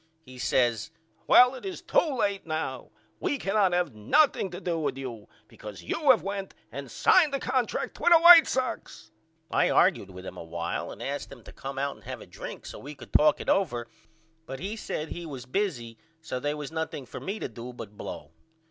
He says Well it is to late now. We cannot have nothing to do with you because you have went and signed a contract with the White Sox. I argude with him a while and asked him to come out and have a drink so we could talk it over but he said he was busy so they was nothing for me to do but blow.